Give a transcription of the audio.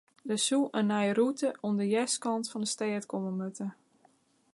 Der soe in nije rûte oan de eastkant fan de stêd komme moatte.